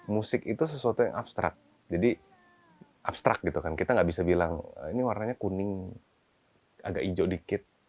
musik itu sesuatu yang abstrak jadi abstrak gitu kan kita nggak bisa bilang ini warnanya kuning agak hijau dikit